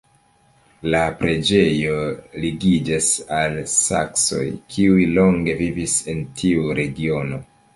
La preĝejo ligiĝas al saksoj, kiuj longe vivis en tiu regiono.